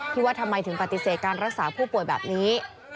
ว่าทำไมถึงปฏิเสธการรักษาผู้ป่วยแบบนี้